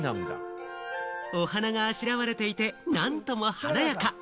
お花があしらわれていて、なんとも華やか。